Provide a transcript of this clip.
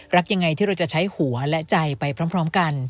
รักยังไงที่เราจะใช้หัวและใจไปพร้อมกัน